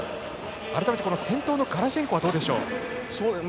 改めて、先頭のガラシェンコどうでしょうか。